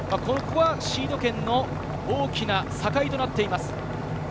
シード権の大きな境となっています。